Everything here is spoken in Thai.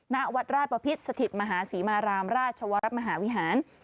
ณวัดราชประพิษสถิตมหาศรีมารามราชวรมหาวิหาร